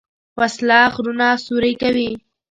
وسله غرونه سوری کوي